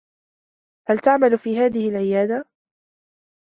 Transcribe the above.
هل تعمل في هذه العيادة؟